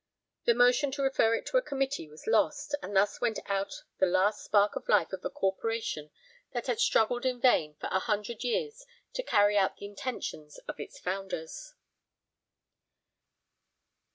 The motion to refer it to a Committee was lost, and thus went out the last spark of life of a Corporation that had struggled in vain for a hundred years to carry out the intentions of its founders.